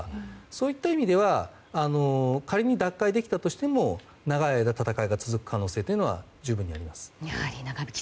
そういった意味では仮に奪還できたとしても長い間、戦いが続く可能性は十分にあります。